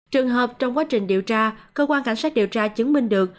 trường hợp trong quá trình điều tra cơ quan cảnh sát điều tra chứng minh được